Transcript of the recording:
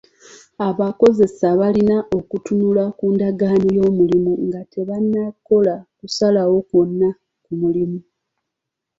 Abakozesa balina okutunula ku ndagaano y'omulimu nga tebannakola kusalawo kwonna ku mulimu.